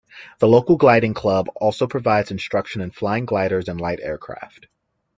The local gliding club also provides instruction in flying gliders and light aircraft.